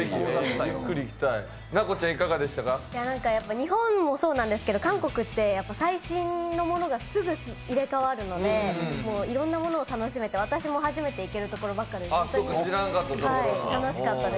日本もそうなんですけど韓国って最新のものがすぐ入れ替わるのでいろんなものを楽しめて、私も初めて行けるところばっかで楽しかったです。